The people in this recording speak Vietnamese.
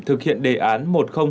thực hiện đề án một nghìn hai mươi hai